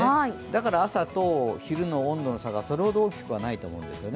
だから朝と昼の温度の差がそれほど大きくないと思います。